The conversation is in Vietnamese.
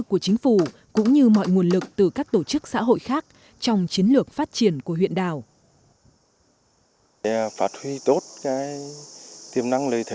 của chính phủ cũng như mọi nguồn lực từ các tổ chức xã hội khác trong chiến lược phát triển của huyện đảo